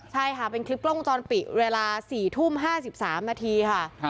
ใช่ค่ะเป็นคลิปกล้องวงจรปิดเวลา๔ทุ่ม๕๓นาทีค่ะ